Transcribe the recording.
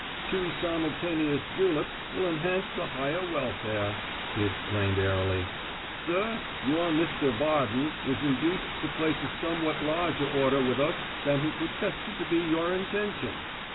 "Two simultaneous juleps will enhance the higher welfare," he explained airily. "Sir, your Mr. Varden was induced to place a somewhat larger order with us than he protested to be your intention.